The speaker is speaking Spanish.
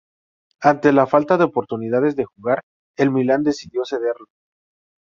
Ante la falta de oportunidades de jugar, el Milan decidió cederlo.